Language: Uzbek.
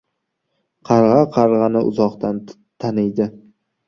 • Qarg‘a qarg‘ani uzoqdan taniydi.